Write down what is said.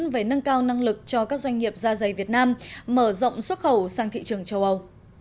về nâng cao năng lực cho các doanh nghiệp da dày việt nam mở rộng xuất khẩu sang thị trường châu âu